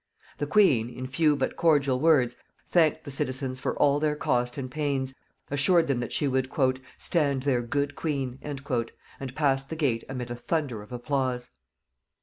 The queen, in few but cordial words, thanked the citizens for all their cost and pains, assured them that she would "stand their good queen," and passed the gate amid a thunder of applause.